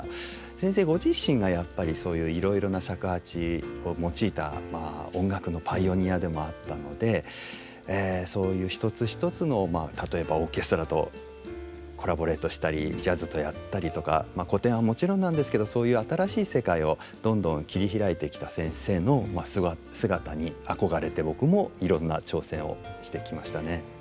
先生ご自身がやっぱりそういういろいろな尺八を用いた音楽のパイオニアでもあったのでそういう一つ一つの例えばオーケストラとコラボレートしたりジャズとやったりとか古典はもちろんなんですけどそういう新しい世界をどんどん切り開いてきた先生の姿に憧れて僕もいろんな挑戦をしてきましたね。